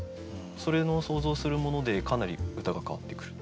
それの想像するものでかなり歌が変わってくる。